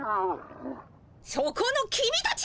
そこの君たち。